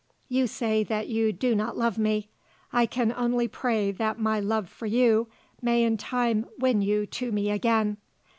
You say that you do not love me. I can only pray that my love for you may in time win you to me again.